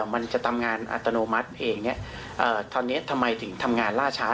มันจะทำงานอัตโนมัติเองตอนนี้ทำไมถึงทำงานล่าช้า